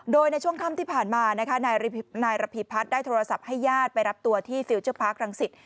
โดยในช่วงค่ำที่ผ่านมานะคะนายระพีพัฒน์ได้โทรศัพท์ให้ญาติไปรับตัวที่ฟิลเจอร์พาร์ครังสิต